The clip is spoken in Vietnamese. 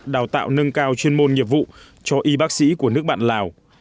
đào tạo nâng cao chuyên môn nghiệp vụ cho y bác sĩ của nước bạn lào